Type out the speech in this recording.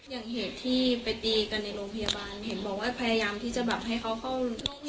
อย่างเหตุที่ไปตีกันในโรงพยาบาลเห็นบอกว่าพยายามที่จะแบบให้เขาเข้า